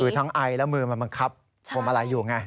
ทั้งไอและมือมันบังคับพวงมาลัยอยู่ไง